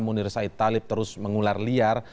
munir said talib terus mengular liar